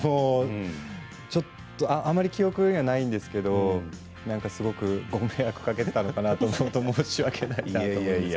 ちょっとあまり記憶にはないんですけどなんかすごく、ご迷惑かけたのかなと思うと申し訳なかったなと思います。